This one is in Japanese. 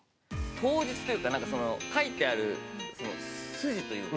当日というかその書いてある筋というか。